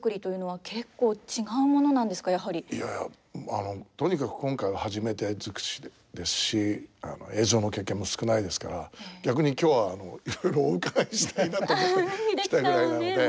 いやあのとにかく今回は初めて尽くしですし映像の経験も少ないですから逆に今日はいろいろお伺いしたいなと思って来たぐらいなので。